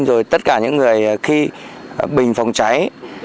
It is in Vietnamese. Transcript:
rồi tất cả những người khi bình phòng cháy